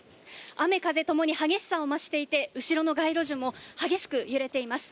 雨風共に激しさを増していて後ろの街路樹も激しく揺れています。